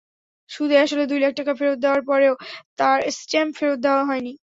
সুদে-আসলে দুই লাখ টাকা ফেরত দেওয়ার পরেও তাঁর স্ট্যাম্প ফেরত দেওয়া হয়নি।